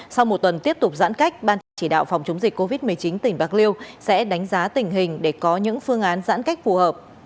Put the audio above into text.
sau một tuần tiếp tục giãn cách ban chỉ đạo phòng chống dịch covid một mươi chín tỉnh bạc liêu sẽ đánh giá tình hình để có những phương án giãn cách phù hợp